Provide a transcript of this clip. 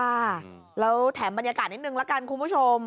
ค่ะแล้วแถมบรรยากาศนิดนึงละกันคุณผู้ชม